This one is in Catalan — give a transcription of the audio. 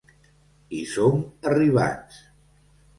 Hi som arribats.